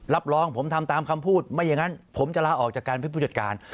รับรองผมทำตามคำพูดไม่อย่างนั้นผมจะลาออกจากการเป็นผู้จัดการ